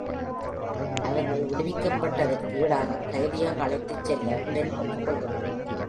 அவர்கள் விடுவிக்கப்பட்டதற்கு ஈடாக கைதியாக அழைத்துச் செல்ல Pen ஒப்புக்கொள்கிறார்.